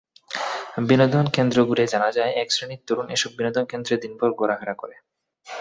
বিনোদন কেন্দ্র ঘুরে জানা যায়, একশ্রেণির তরুণ এসব বিনোদন কেন্দ্রে দিনভর ঘোরাফেরা করে।